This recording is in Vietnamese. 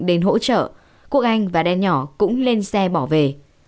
đến hỗ trợ quốc anh và đen nhỏ cũng lên xe bỏ về